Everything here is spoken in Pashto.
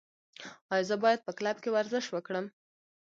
ایا زه باید په کلب کې ورزش وکړم؟